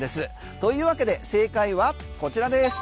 というわけで正解はこちらです。